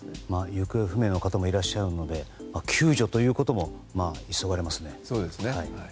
行方不明の方もいらっしゃるので救助も急がれますね。